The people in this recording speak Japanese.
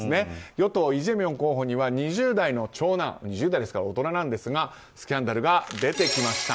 与党のイ・ジェミョン候補には２０代の長男２０代だから大人なんですがスキャンダルが出てきました。